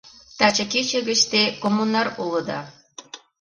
— Таче кече гыч те коммунар улыда!